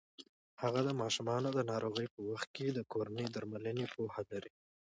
هغه د ماشومانو د ناروغۍ په وخت کې د کورني درملنې پوهه لري.